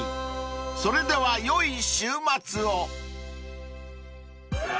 ［それではよい週末を］